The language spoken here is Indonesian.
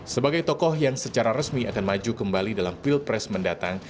sebagai tokoh yang secara resmi akan maju kembali dalam pilpres mendatang